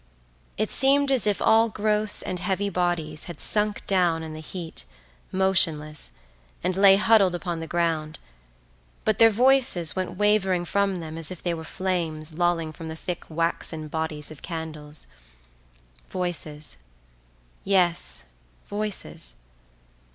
It seemed as if all gross and heavy bodies had sunk down in the heat motionless and lay huddled upon the ground, but their voices went wavering from them as if they were flames lolling from the thick waxen bodies of candles. Voices. Yes, voices.